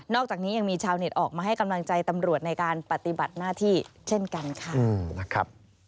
อกจากนี้ยังมีชาวเน็ตออกมาให้กำลังใจตำรวจในการปฏิบัติหน้าที่เช่นกันค่ะนะครับ